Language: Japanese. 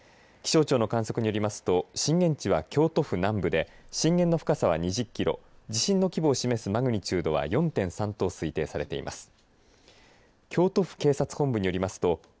気象庁の観測によりますと震源地は京都府南部で震源の深さは２０キロ地震の規模を示すマグニチュードは４．３と推定されています。